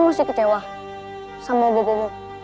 kamu masih kecewa sama bobomu